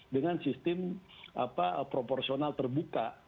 dengan sistem proporsional terbuka